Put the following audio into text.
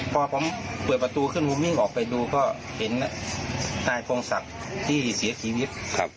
พอผมเปิดประตูคลุมหึงออกไปดูก็เห็นนายพงศักดิ์ที่เสียชีวิต